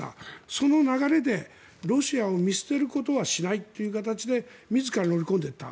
その流れでロシアを見捨てることはしないという形で自ら乗り込んでいった。